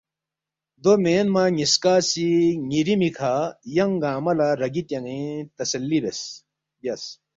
دو مینما نِ٘یسکا سی نِ٘یرییمی کھہ ینگ گنگمہ لہ رَگی تیان٘ین تسلّی بیاس